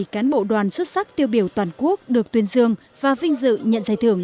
một mươi cán bộ đoàn xuất sắc tiêu biểu toàn quốc được tuyên dương và vinh dự nhận giải thưởng